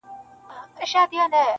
مکمل یې خپل تحصیل په ښه اخلاص کئ,